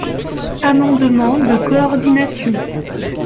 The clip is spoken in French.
Amendement de coordination.